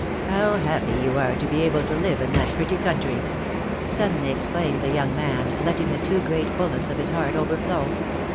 '' How happy you are to be able to live in that pretty country!" suddenly exclaimed the young man, letting the too great fulness of his heart overflow.